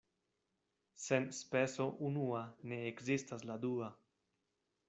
Sen speso unua ne ekzistas la dua.